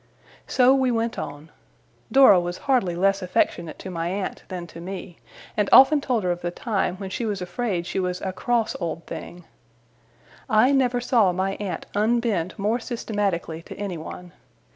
So we went on. Dora was hardly less affectionate to my aunt than to me, and often told her of the time when she was afraid she was 'a cross old thing'. I never saw my aunt unbend more systematically to anyone.